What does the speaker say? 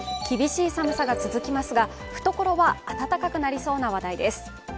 厳しい寒さが続きますが、懐は温かくなりそうな話題です。